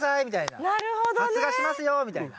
発芽しますよみたいな。